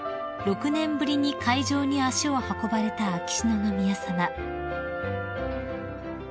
６年ぶりに会場に足を運ばれた秋篠宮さま］